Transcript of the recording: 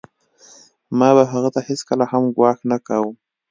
ما به هغه ته هېڅکله هم ګواښ نه کاوه